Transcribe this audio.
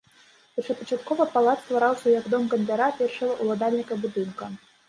Першапачаткова палац ствараўся як дом гандляра, першага ўладальніка будынка.